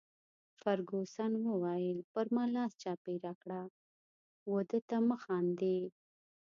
فرګوسن وویل: پر ما لاس چاپیره کړه، وه ده ته مه خاندي.